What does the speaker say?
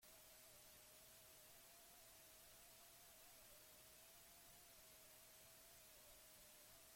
Erleak, arratoiak, katagorriak, hartz polarrak edo jostailu itxura dutenak.